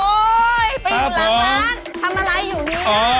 โอ้ยไปอยู่หลังบ้านทำอะไรอยู่นี่